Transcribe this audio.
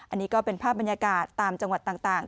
อันนี้ก็เป็นภาพบรรยากาศตามจังหวัดต่าง